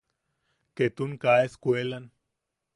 Ketun kaa escuelan.